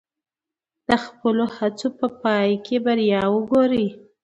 د خپلو هڅو په پای کې بریا وګورئ.